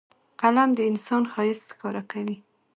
قلم د انسان ښایست ښکاره کوي